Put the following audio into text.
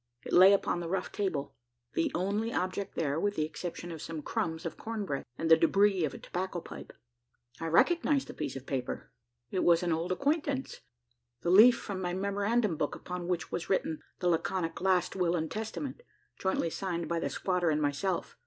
It lay upon the rough table the only object there, with the exception of some crumbs of corn bread, and the debris of a tobacco pipe. I recognised the piece of paper. It was an old acquaintance the leaf from my memorandum book upon which was written that laconic "last will and testament," jointly signed by the squatter and myself.